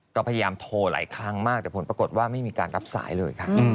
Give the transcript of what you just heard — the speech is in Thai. เราพยายามโทรหลายครั้งมากแต่ผลปรากฏว่าไม่มีการรับสายเลยค่ะ